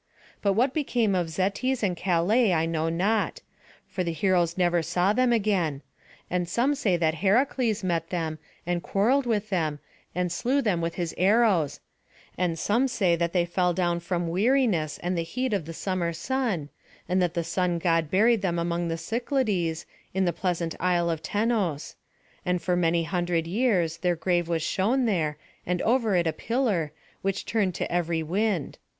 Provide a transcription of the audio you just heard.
But what became of Zetes and Calais I know not; for the heroes never saw them again; and some say that Heracles met them, and quarrelled with them, and slew them with his arrows; and some say that they fell down from weariness and the heat of the summer sun, and that the Sun god buried them among the Cyclades, in the pleasant Isle of Tenos; and for many hundred years their grave was shown there, and over it a pillar, which turned to every wind.